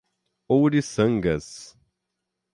Ouriçangas